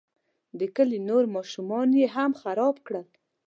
د کلي نور ماشومان یې هم خراب کړل.